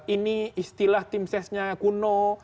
ini istilah tim sesnya kuno